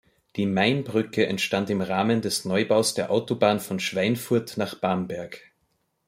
Die Mainbrücke entstand im Rahmen des Neubaus der Autobahn von Schweinfurt nach Bamberg.